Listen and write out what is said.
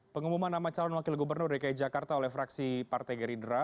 pengumuman nama calon wakil gubernur dki jakarta oleh fraksi partai gerindra